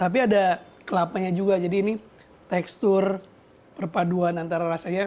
kemudian dicampur dengan gula aren yang manis tapi ada kelapanya juga jadi ini tekstur perpaduan antara rasanya enak banget